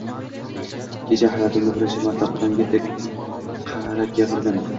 Kecha hayotimda birinchi marta otamga tik qarab gapirdim